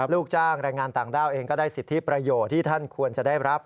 ลูกจ้างแรงงานต่างด้าวเองก็ได้สิทธิประโยชน์ที่ท่านควรจะได้รับ